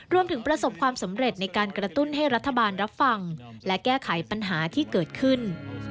รวมถึงประสบความสำเร็จในการกระตุ้นให้รัฐบาลรับฟังและแก้ไขปัญหาที่เกิดขึ้น